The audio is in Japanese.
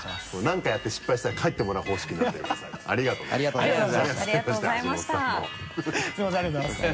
何かやって失敗したら帰ってもらう方式になってるからさ。